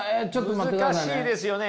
難しいですよね。